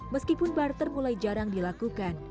meskipun barter mulai jarang dilakukan